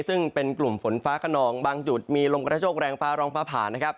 ซึ่งเป็นกลุ่มฝนฟ้ากระนองบางจุดมีลมกระทะโชกแรงฟ้ารองฟ้าผ่าน